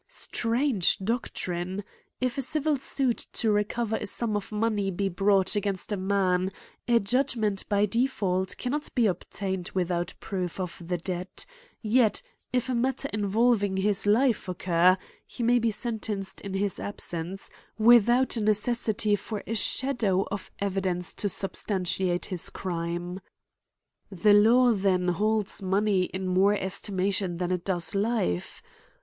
Strange doctrine ! If a civil suit to recover a sum of money be brought against a man, a judgment by default p^nnot be obtained without proof of the debt— yet, if a matter invol ving his life occur, he may be sentenced in his absence, without a neceissitjr for a shadow of evU 2j3i6 A COMMENTARY ON * dence to substantiate his crime. The law then holds money in more estimation that it does hfe